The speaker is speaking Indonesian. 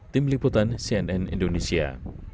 tim liputan cnn indonesia